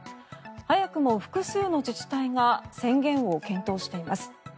早くも複数の自治体が宣言を検討しています。